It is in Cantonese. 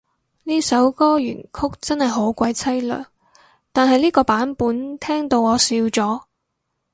呢首歌原曲真係好鬼淒涼，但係呢個版本聽到我笑咗